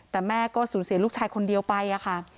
แต่แม่ก็สูญเสียลูกชายคนเดียวไปค่ะ